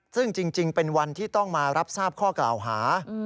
ซึ่งจริงเป็นวันที่ต้องมารับทราบข้อกล่าวหา